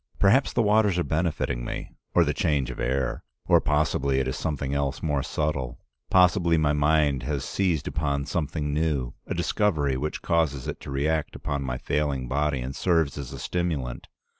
Perhaps the waters are benefiting me, or the change of air. Or possibly it is something else more subtle. Possibly my mind has seized upon something new, a discovery which causes it to react upon my failing body and serves as a stimulant.